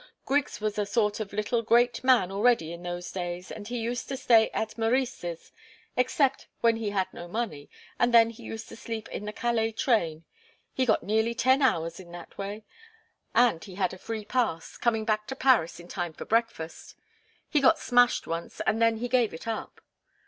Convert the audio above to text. Griggs was a sort of little great man already in those days, and he used to stay at Meurice's except when he had no money, and then he used to sleep in the Calais train he got nearly ten hours in that way and he had a free pass coming back to Paris in time for breakfast. He got smashed once, and then he gave it up."